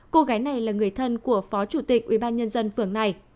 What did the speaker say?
cô gái này là người thân của phó chủ tịch ubnd phường này